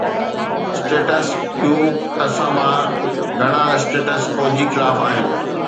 Status Quo اسان مان گھڻا اسٽيٽس ڪو جي خلاف آھن.